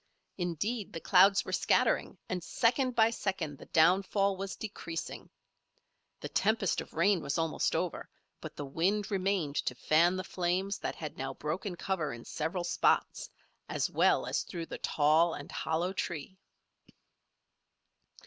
Indeed the clouds were scattering, and second by second the downfall was decreasing. The tempest of rain was almost over; but the wind remained to fan the flames that had now broken cover in several spots, as well as through the tall and hollow tree.